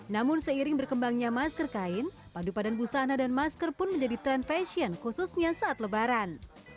namun seiring berkembangnya masker kain padu padan busana dan masker pun menjadi tren fashion khususnya saat lebaran